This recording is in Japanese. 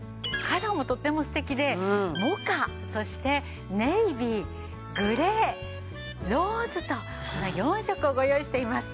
カラーもとっても素敵でモカそしてネイビーグレーローズと４色をご用意しています。